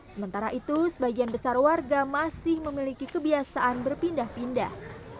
sementara itu sebagian besar warga masih memiliki kebiasaan berpindah pindah